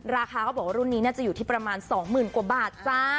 ราคาเขาบอกว่ารุ่นนี้น่าจะอยู่ที่ประมาณสองหมื่นกว่าบาทจ้ะ